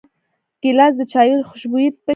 ګیلاس د چايو خوشبويي پکې پاتې کېږي.